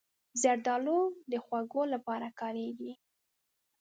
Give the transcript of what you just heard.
زردالو د خوږو لپاره کارېږي.